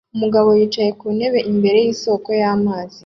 Umugabo yicaye ku ntebe imbere yisoko y'amazi